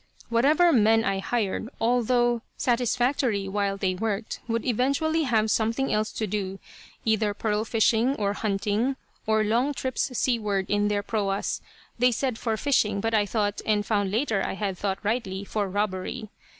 Whatever men I hired, although satisfactory while they worked, would eventually have something else to do, either pearl fishing, or hunting, or long trips seaward in their proas, they said for fishing, but I thought, and found later I had thought rightly, for robbery.